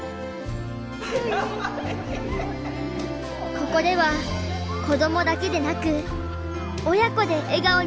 ここでは子どもだけでなく親子で笑顔になれます。